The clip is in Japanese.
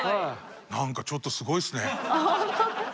何かちょっとすごいですね。